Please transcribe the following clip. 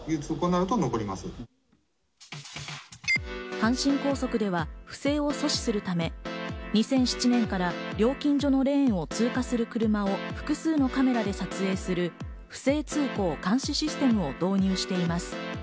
阪神高速では不正を阻止するため、２００７年から料金所のレーンを通過する車を複数のカメラで撮影する不正通行監視システムを導入しています。